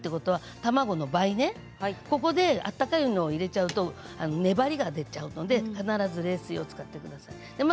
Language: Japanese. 大さじ４杯ということは卵の場合ここで温かいのを入れちゃうと粘りが出ちゃうので必ず冷水を使ってください。